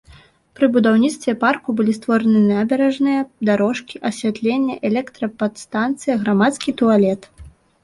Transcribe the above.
Пры будаўніцтве парку былі створаны набярэжная, дарожкі, асвятленне, электрападстанцыя, грамадскі туалет.